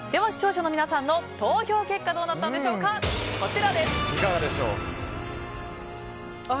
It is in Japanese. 視聴者の皆さんの投票結果はこちらです。